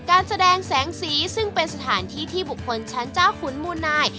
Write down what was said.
การแสดงแสงสีซึ่งเป็นสถานที่ที่บุคคลชั้นเจ้าขุนมูลนาย